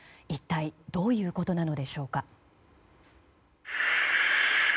一体どういうことなのでしょうか。